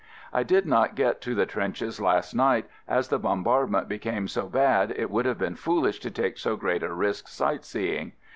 I did not get to the trenches last night, as the bombardment became so bad it would have been foolish to take so great a risk sight seeing.